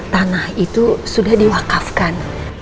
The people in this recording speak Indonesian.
tanah itu sudah diwakafkan